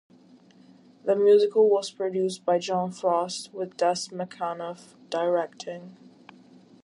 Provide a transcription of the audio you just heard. The musical was produced by John Frost with Des McAnuff directing.